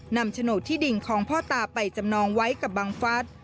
โฉนดที่ดินของพ่อตาไปจำนองไว้กับบังฟัส